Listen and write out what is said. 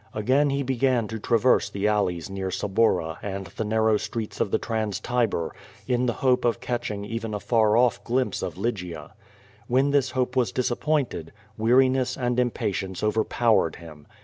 Again he began to traverse the alleys near Suburra and the narrow streets of the Trans Tiber, in the hope of catching even a far off glimpse of Lygia. When this hope was disappointed, weariness and impatience overpowered him.